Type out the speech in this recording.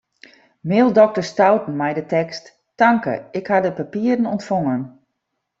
Mail dokter Stouten mei de tekst: Tanke, ik ha de papieren ûntfongen.